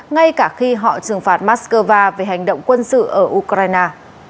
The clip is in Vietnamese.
ngay cả khi họ trừng phạt moscow về hành động quân sự ở ukraine